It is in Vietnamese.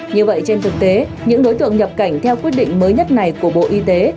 như vậy trên thực tế những đối tượng nhập cảnh theo quyết định mới nhất này của bộ y tế